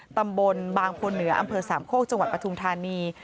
ตำบลบางพลเหนืออำเภอสามโคกจังหวัดปทุมธานี